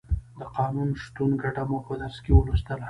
د قانون شتون ګټه مو په درس کې ولوستله.